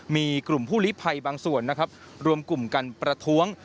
มีกลุ่มพูลิภัยบางส่วนรวมกลุ่มกันประท้วง